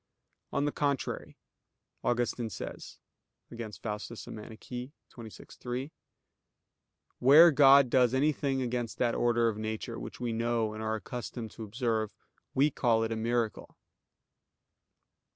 On the contrary, Augustine says (Contra Faust. xxvi, 3): "Where God does anything against that order of nature which we know and are accustomed to observe, we call it a miracle."